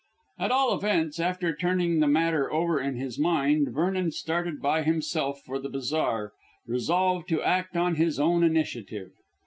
At all events, after turning the matter over in his mind Vernon started by himself for the bazaar, resolved to act on his own initiative.